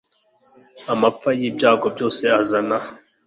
Amapfa nibyago byose azana